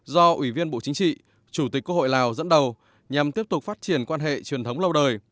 do ủy viên bộ chính trị chủ tịch quốc hội lào dẫn đầu nhằm tiếp tục phát triển quan hệ truyền thống lâu đời